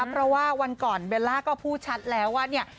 เพราะว่าวันก่อนเบลล่าก็พูดชัดแล้วว่าเนี่ย